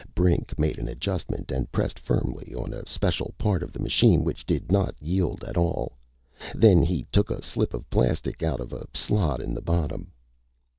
Brink made an adjustment and pressed firmly on a special part of the machine, which did not yield at all. Then he took a slip of plastic out of a slot in the bottom.